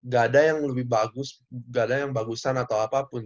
gak ada yang lebih bagus gak ada yang bagusan atau apapun